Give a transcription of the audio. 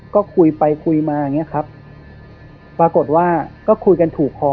ก็คุยไปคุยมาอย่างเงี้ยครับปรากฏว่าก็คุยกันถูกคอ